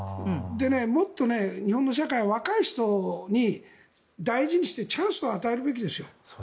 もっと日本の社会は、若い人を大事にしてチャンスを与えるべきですよ。